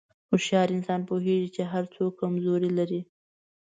هوښیار انسان پوهېږي چې هر څوک کمزوري لري.